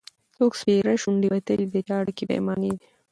څوک سپېرې شونډي وتلي د چا ډکي پیمانې دي